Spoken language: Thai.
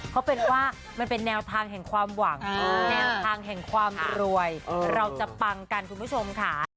เขาเป็นว่ามันเป็นแนวทางแห่งความหวังแนวทางแห่งความรวยเราจะปังกันคุณผู้ชมค่ะ